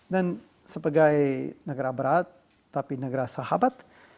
dan sebagai negara berat tapi negara sahabat